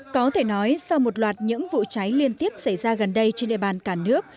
có thể nói sau một loạt những vụ cháy liên tiếp xảy ra gần đây trên địa bàn cả nước